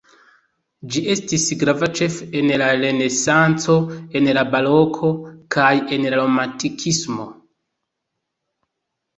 Ĝi estis grava ĉefe en la renesanco en la baroko kaj en la romantikismo.